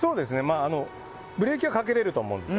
ブレーキはかけられると思うんですよ。